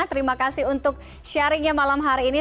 terima kasih untuk sharingnya malam hari ini